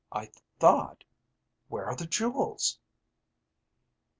"I thought where are the jewels?"